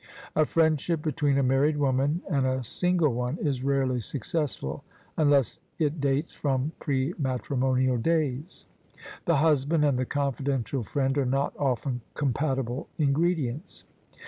A friendship between a married woman and a single one is rarely successful, unless it dates from pre matrimonial days. The husband and the confidential friend are not often compatible ingredients.